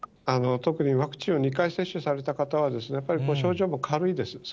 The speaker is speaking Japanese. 特にワクチンを２回接種された方は、やっぱり症状も軽いです。